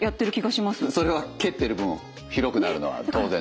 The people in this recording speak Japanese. それは蹴ってる分広くなるのは当然ですよね。